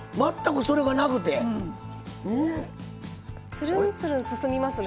つるんつるん進みますね。